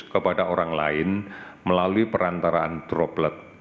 kepada orang lain melalui perantaraan droplet